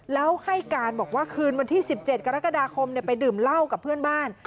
แล้วให้การบอกว่าคืนวันที่๑๗กรกฎาคมไปดื่มเหล้ากับเพื่อนบ้าน